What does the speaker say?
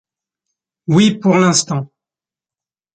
Oui, pour l’instant.